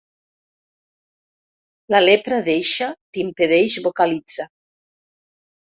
La lepra deixa t'impedeix vocalitzar.